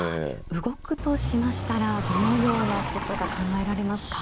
動くとしましたらどのようなことが考えられますか。